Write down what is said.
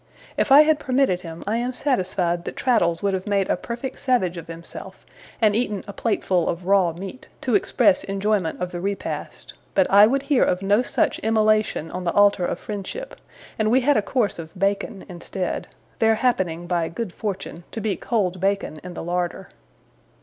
If I had permitted him, I am satisfied that Traddles would have made a perfect savage of himself, and eaten a plateful of raw meat, to express enjoyment of the repast; but I would hear of no such immolation on the altar of friendship, and we had a course of bacon instead; there happening, by good fortune, to be cold bacon in the larder.